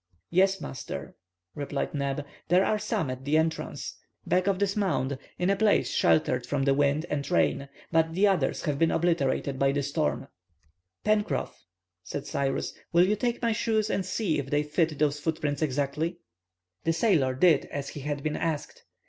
"Yes, master," replied Neb; "there are some at the entrance, back of this mound, in a place sheltered from the wind and rain, but the others have been obliterated by the storm." "Pencroff," said Cyrus, "will you take my shoes and see if they fit those footprints exactly?" The sailor did as he had been asked.